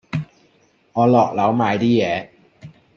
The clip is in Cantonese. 我落樓買啲嘢